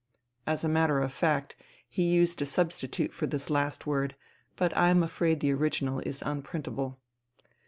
(As a matter of fact, he used a substitute for this last word, but I am afraid the original is unprintable.)